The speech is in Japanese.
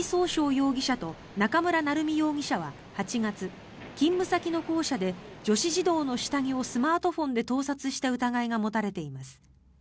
容疑者と中村成美容疑者は８月勤務先の校舎で女子児童の下着をスマートフォンで盗撮した疑いが持たれています。